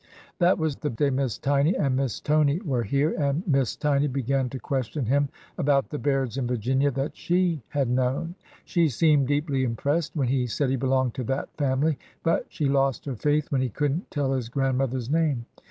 That was the day Miss Tiny and Miss Tony were here, and Miss Tiny began to question him about the Bairds in Virginia that she had known. She seemed deeply impressed when he said he belonged to that family, but she lost her faith when he could n't tell his grandmother's name.